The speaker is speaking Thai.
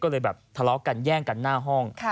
ก็เลยแบบทะเลาะกันแย่งกันหน้าห้อง